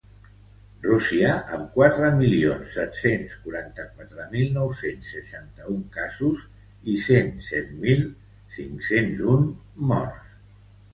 Rússia, amb quatre milions set-cents quaranta-quatre mil nou-cents seixanta-un casos i cent set mil cinc-cents un morts.